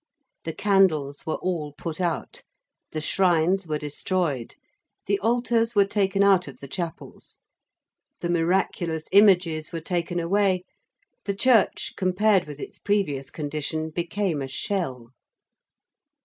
The candles were all put out; the shrines were destroyed; the altars were taken out of the chapels: the miraculous images were taken away: the church, compared with its previous condition, became a shell.